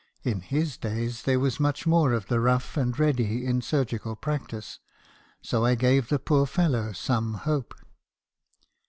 In his days there was much more of the rough and ready in surgical practice ; so I gave the poor fellow some hope.